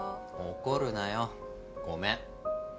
怒るなよごめん。